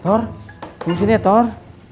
thor tunggu sini ya thor